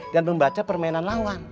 dan membaca permainan lawan